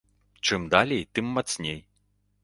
Чым далей, тым мацней.